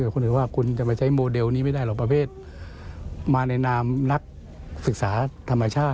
คือคนไทยเวลาปกติก็เฉย